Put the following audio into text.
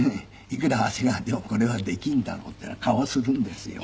いくら長谷川でもこれはできんだろうっていうような顔をするんですよ。